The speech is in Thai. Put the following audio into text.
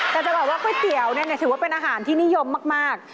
แต่จะบอกว่าก๋วยเตี๋ยวถือว่าเป็นอาหารที่นิยมมาก